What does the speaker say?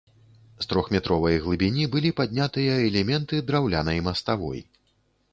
З трохметровай глыбіні былі паднятыя элементы драўлянай маставой.